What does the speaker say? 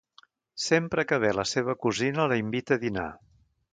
Sempre que ve la seva cosina, la invita a dinar.